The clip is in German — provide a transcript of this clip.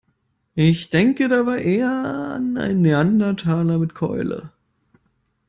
Ich denke dabei eher an einen Neandertaler mit Keule.